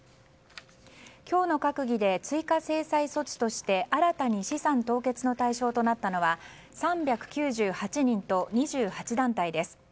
今日の閣議で追加制裁措置として新たに資産凍結の対象となったのは３９８人と２８団体です。